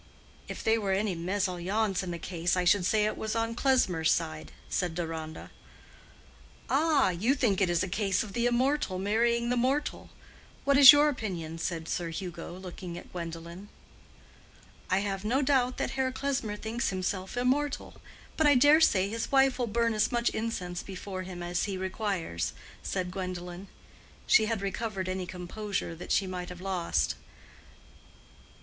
"If they were any mésalliance in the case, I should say it was on Klesmer's side," said Deronda. "Ah, you think it is a case of the immortal marrying the mortal. What is your opinion?" said Sir Hugo, looking at Gwendolen. "I have no doubt that Herr Klesmer thinks himself immortal. But I dare say his wife will burn as much incense before him as he requires," said Gwendolen. She had recovered any composure that she might have lost.